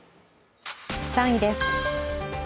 ３位です。